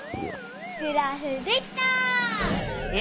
グラフできた！